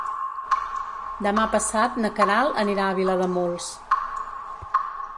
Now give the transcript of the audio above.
Demà passat na Queralt anirà a Vilademuls.